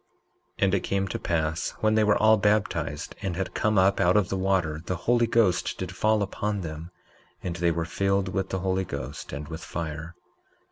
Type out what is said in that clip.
19:13 And it came to pass when they were all baptized and had come up out of the water, the Holy Ghost did fall upon them, and they were filled with the Holy Ghost and with fire.